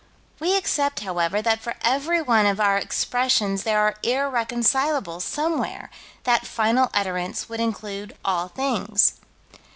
We accept, however, that for every one of our expressions there are irreconcilables somewhere that final utterance would include all things.